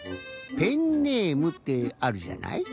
ペンネームってあるじゃない？